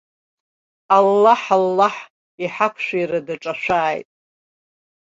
Аллаҳ, аллаҳ, иҳақәшәира даҿашәааит.